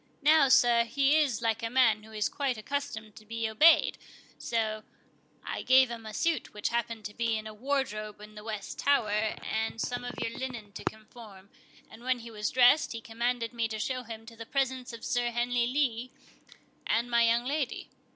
Now, sir, he is like a man who is quite accustomed to be obeyed, so I gave him a suit which happened to be in a wardrobe in the west tower, and some of your linen to conform; and when he was dressed, he commanded me to show him to the presence of Sir Henry Lee and my young lady.